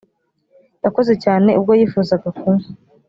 yakoze cyane ubwo yifuzaga kunywa